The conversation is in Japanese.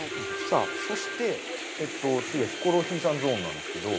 さあそして次はヒコロヒーさんゾーンなんですけど。